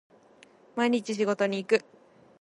毎日仕事に行く